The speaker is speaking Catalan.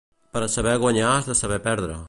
Per a saber guanyar has de saber perdre.